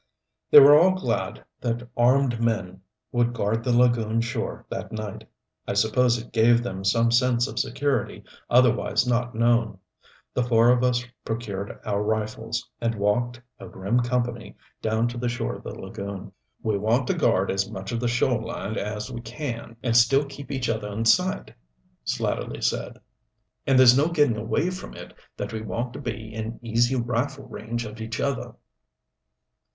They were all glad that armed men would guard the lagoon shore that night. I suppose it gave them some sense of security otherwise not known. The four of us procured our rifles, and walked, a grim company, down to the shore of the lagoon. "We want to guard as much of the shore line as we can, and still keep each other in sight," Slatterly said. "And there's no getting away from it that we want to be in easy rifle range of each other."